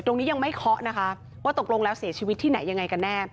ยังไม่เคาะนะคะว่าตกลงแล้วเสียชีวิตที่ไหนยังไงกันแน่